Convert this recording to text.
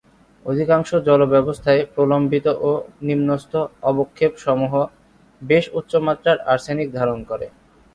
অধিকাংশ জলব্যবস্থায় প্রলম্বিত ও নিম্নস্থ অবক্ষেপসমূহ বেশ উচ্চমাত্রার আর্সেনিক ধারণ করে।